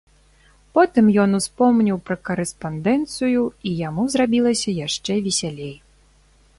Потым ён успомніў пра карэспандэнцыю, і яму зрабілася яшчэ весялей.